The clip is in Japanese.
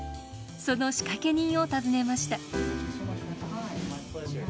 その仕掛け人を訪ねました。